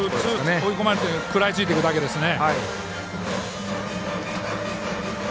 追い込まれてるので食らいついていくだけですね。